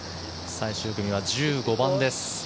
最終組は１５番です。